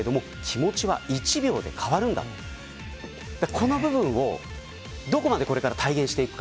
この部分を、どこまでこれから体現していくか。